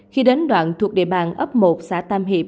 khi đến đoạn thuộc địa bàn ấp một xã tam hiệp